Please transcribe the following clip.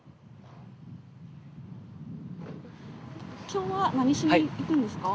今日は何しに行くんですか？